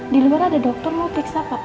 diluar ada dokter mau klik siapa